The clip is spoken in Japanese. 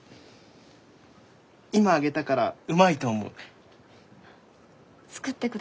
今揚げたからうまいと思う。